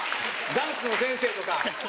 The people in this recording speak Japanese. ダンスの先生とか。